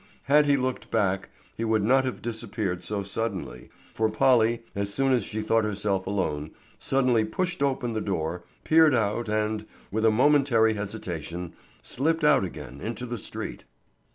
Had he looked back he would not have disappeared so suddenly, for Polly, as soon as she thought herself alone, suddenly pushed open the door, peered out and, with a momentary hesitation, slipped out again into the street.